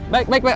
baik baik baik